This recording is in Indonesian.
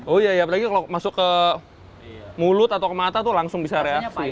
oh iya ya apalagi kalau masuk ke mulut atau ke mata tuh langsung bisa reaksi